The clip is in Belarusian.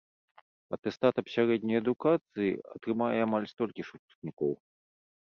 Атэстат аб сярэдняй адукацыі атрымае амаль столькі ж выпускнікоў.